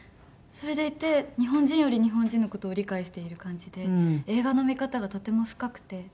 それでいて日本人より日本人の事を理解している感じで映画の見方がとても深くて。